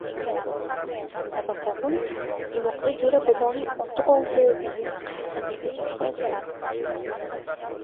Shunda bakovul, uloqni Jo‘ra boboning oti oldi, deya qayta-qayta jar solsin.